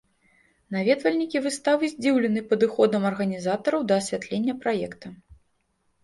Наведвальнікі выставы здзіўлены падыходам арганізатараў да асвятлення праекта.